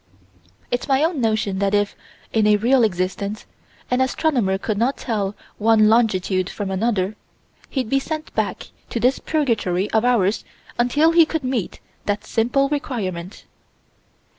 It's my own notion that if, in a real existence, an astronomer could not tell one longitude from another, he'd be sent back to this purgatory of ours until he could meet that simple requirement.